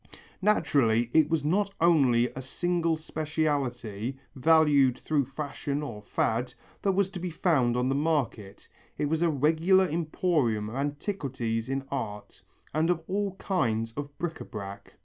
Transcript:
Naturally it was not only a single speciality, valued through fashion or fad, that was to be found on the market, it was a regular emporium of antiquities in art, and of all kinds of bric à brac.